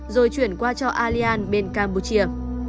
rồi chuyển qua cho allianz bên campuchia